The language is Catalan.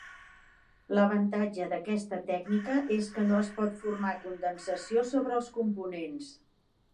L'avantatge d'aquesta tècnica és que no es pot formar condensació sobre els components.